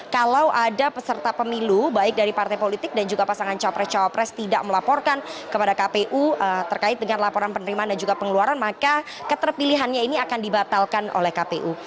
kalau ada peserta pemilu baik dari partai politik dan juga pasangan capres cawapres tidak melaporkan kepada kpu terkait dengan laporan penerimaan dan juga pengeluaran maka keterpilihannya ini akan dibatalkan oleh kpu